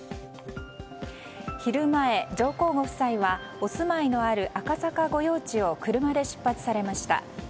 昼前、上皇ご夫妻はお住いのある赤坂御用地を車で出発されました。